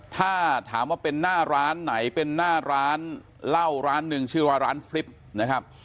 ถ้าถามว่าเป็นหน้าร้านไหนเป็นหน้าร้านเหล้าร้านหนึ่งชื่อว่าร้านฟริปนะครับ